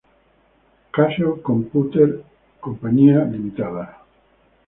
Casio Computer Co., Ltd.